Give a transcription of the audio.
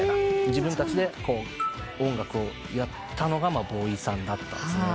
自分たちで音楽をやったのがＢＷＹさんだったんですね。